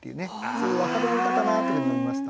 そういう別れの歌かなというふうに思いました。